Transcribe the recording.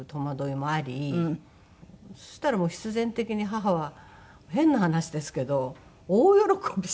そしたら必然的に母は変な話ですけど大喜びして。